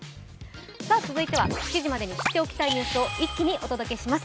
続いては７時までに知っておきたいニュースを、一気にお届けします。